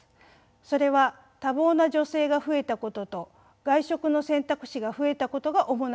それは多忙な女性が増えたことと外食の選択肢が増えたことが主な原因です。